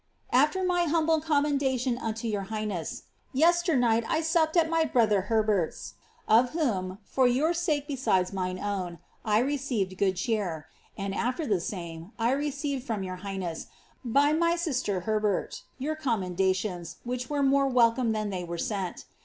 *' AAcr my humble commendation uuto your highnesA, yesternight I supped at WKjf brother H(;rbi'rt'V of whom, for your sake be:»ide;s mine own, I received good cheer j and, after the same, I received fnnn your highne; is, by my sister Herbert, your commentlatious, which were more welcome than they were sent.